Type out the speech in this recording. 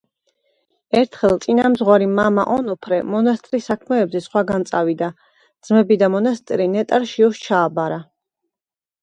ერთხელ წინამძღვარი მამა ონოფრე მონასტრის საქმეებზე სხვაგან წავიდა, ძმები და მონასტერი ნეტარ შიოს ჩააბარა.